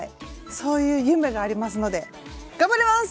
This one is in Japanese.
そういう夢がありますので頑張ります！